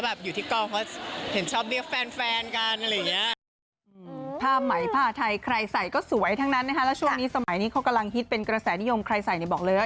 แล้วก็อยู่ที่กล้องเขาเห็นชอบเรียกแฟนกันอะไรอย่างเงี้ย